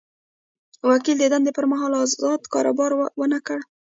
وکیل د دندې پر مهال ازاد کاروبار ونه کړي.